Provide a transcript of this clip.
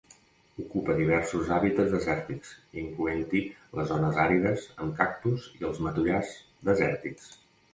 Ocupa diversos hàbitats desèrtics, incloent-hi les zones àrides amb cactus i els matollars desèrtics.